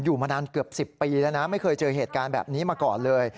มานานเกือบ๑๐ปีแล้วนะไม่เคยเจอเหตุการณ์แบบนี้มาก่อนเลย